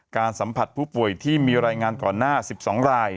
สัมผัสผู้ป่วยที่มีรายงานก่อนหน้า๑๒ราย